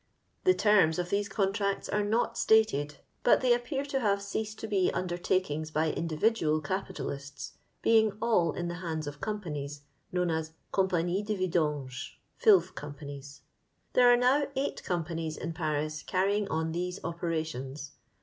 The terms of these contracts are not stated, but they appear to have ceased to be under takings by individual capitalists, being all in the hands of companies, known as compagnies dc vidanges (filth companies). There are now eight companies in Paris carrying on these operations.